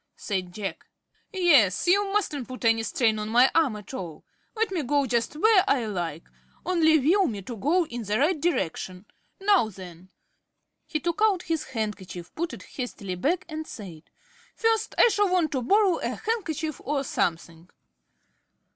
said Jack. "Yes; you mustn't put any strain on my arm at all. Let me go just where I like, only will me to go in the right direction. Now then." He took out his handkerchief, put it hastily back, and said: "First I shall want to borrow a handkerchief or something."